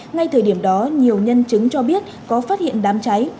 ngay thời điểm đó nhiều nhân chứng cho biết có phát hiện đám cháy